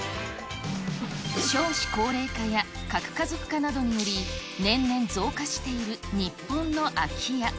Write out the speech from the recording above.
少子高齢化や核家族化などにより、年々増加している日本の空き家。